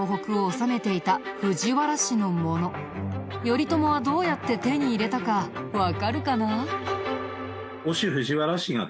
頼朝はどうやって手に入れたかわかるかな？